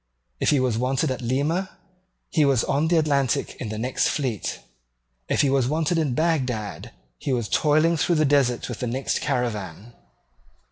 If he was wanted at Lima, he was on the Atlantic in the next fleet. If he was wanted at Bagdad, he was toiling through the desert with the next caravan.